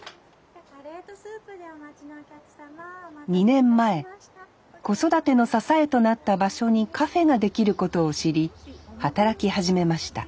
２年前子育ての支えとなった場所にカフェができることを知り働き始めました